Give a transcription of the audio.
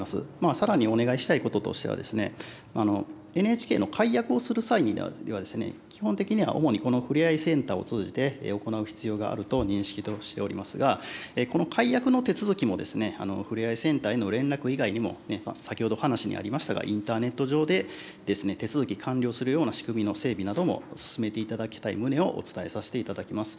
さらにお願いしたいこととしては、ＮＨＫの解約をする際にはですね、基本的には主にこのふれあいセンターを通じて、行う必要があると認識としておりますが、この解約の手続きもふれあいセンターへの連絡以外にも、先ほど話にありましたが、インターネット上で手続き完了するような仕組みの整備なども進めていただきたい旨をお伝えさせていただきます。